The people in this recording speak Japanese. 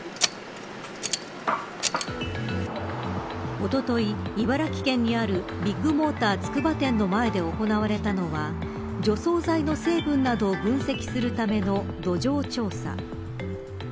おととい、茨城県にあるビッグモーターつくば店の前で行われたのは除草剤の成分などを分析するための土壌調査。